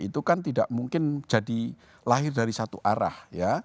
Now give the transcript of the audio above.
itu kan tidak mungkin jadi lahir dari satu arah ya